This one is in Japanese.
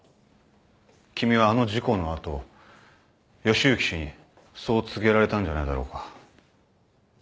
君はあの事故の後義之氏にそう告げられたんじゃないだろうか？